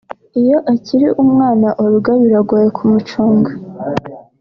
Iyo akiri umwana Olga biragoye kumucunga